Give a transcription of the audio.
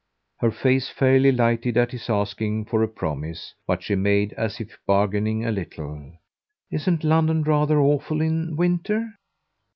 Her face fairly lighted at his asking for a promise; but she made as if bargaining a little. "Isn't London rather awful in winter?"